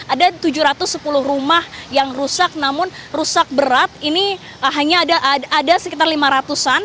ada tujuh ratus sepuluh rumah yang rusak namun rusak berat ini hanya ada sekitar lima ratus an